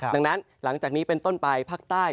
ดังนั้นหลังจากนี้เป็นต้นไปภาคใต้